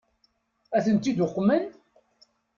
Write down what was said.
Ad tent-id-uqmen?